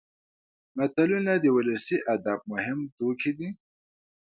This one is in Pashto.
متلونه د ولسي ادب مهم توکي دي